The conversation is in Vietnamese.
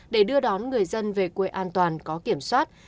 để đưa đón người dân về quê an toàn có kiểm soát